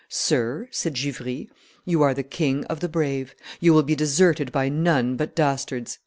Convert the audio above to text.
"Sir," said Givry, "you are the king of the brave; you will be deserted by none but dastards."